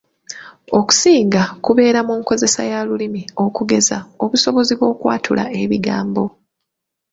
Okusinga kubeera mu nkozesa ya Lulimi okugeza obusobozi bw’okwatula ebigambo.